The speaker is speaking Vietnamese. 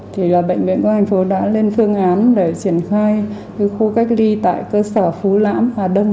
thì là bệnh viện công an thành phố đã lên phương án để triển khai cái khu cách ly tại cơ sở phú lãm